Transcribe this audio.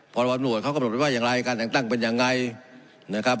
พรวมตำรวจเขาก็บอกได้ว่าอย่างไรการแต่งตั้งเป็นอย่างไรนะครับ